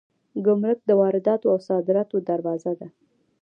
ګمرک د وارداتو او صادراتو دروازه ده